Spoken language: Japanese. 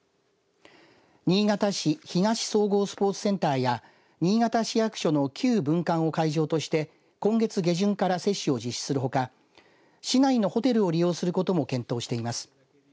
新潟市東総合スポーツセンターや新潟市役所の旧分館を会場として今月下旬から接種を実施するほか市内のホテルを利用することも検討しています。